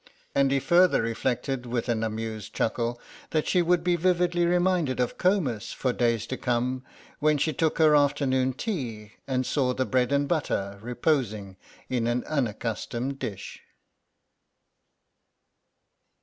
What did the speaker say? And he further reflected, with an amused chuckle, that she would be vividly reminded of Comus for days to come, when she took her afternoon tea, and saw the bread and butter reposing in an unaccustomed dish.